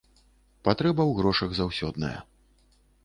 Патрэба ў грошах заўсёдная.